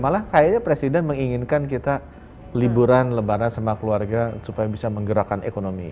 malah kayaknya presiden menginginkan kita liburan lebaran sama keluarga supaya bisa menggerakkan ekonomi